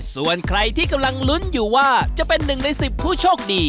ส่วนใครที่กำลังลุ้นอยู่ว่าจะเป็นหนึ่งใน๑๐ผู้โชคดี